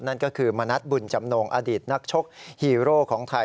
นั่นก็คือมณัฐบุญจำนงอดีตนักชกฮีโร่ของไทย